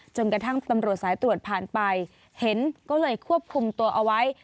จนกระทั่งตำรวจสายตรวจผ่านไปเห็นก็เลยควบคุมตัวเอาไว้